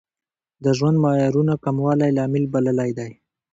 د ژوند معیارونو کموالی لامل بللی دی.